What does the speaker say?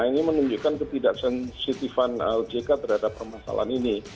ini menunjukkan ketidaksensitifan ojk terhadap permasalahan ini